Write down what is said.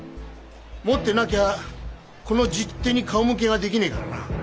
持ってなきゃこの十手に顔向けができねえからな。